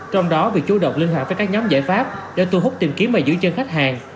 trong đó việc chú động liên hạc với các nhóm giải pháp đã thu hút tìm kiếm và giữ chân khách hàng